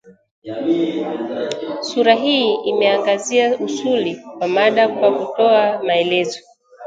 Sura hii imeangazia usuli wa mada kwa kutoa maelezo